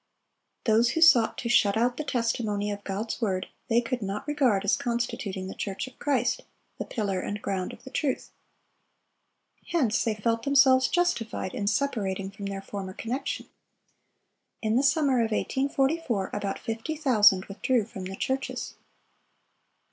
Those who sought to shut out the testimony of God's word, they could not regard as constituting the church of Christ, "the pillar and ground of the truth." Hence they felt themselves justified in separating from their former connection. In the summer of 1844 about fifty thousand withdrew from the churches.